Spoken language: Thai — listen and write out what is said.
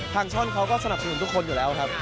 ช่อนเขาก็สนับสนุนทุกคนอยู่แล้วครับ